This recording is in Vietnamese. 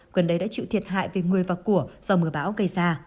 gần đây đã chịu thiệt hại về người và của do mưa bão gây ra